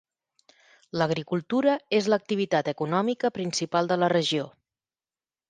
L'agricultura és l'activitat econòmica principal de la regió.